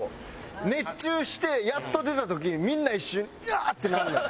熱中してやっと出た時みんな一瞬イヤッ！ってなるのよ。